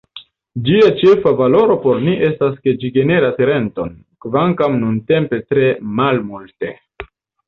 Ĝia ĉefa valoro por ni estas ke ĝi generas renton, kvankam nuntempe tre malmulte.